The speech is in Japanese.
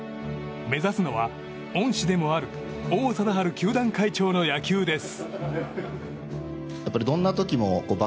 目指すのは、恩師でもある王貞治球団会長の野球です。